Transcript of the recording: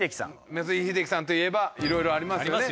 松井秀喜さんといえばいろいろありますよね。